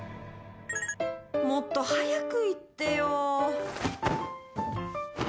もっと早く言ってよ。